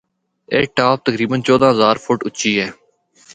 A top تقریبا چودہ ہزار فٹ اُچی ہے۔